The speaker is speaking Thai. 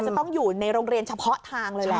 จะต้องอยู่ในโรงเรียนเฉพาะทางเลยแหละ